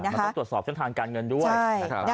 แล้วก็ตรวจสอบขณะทางการเงินด้วย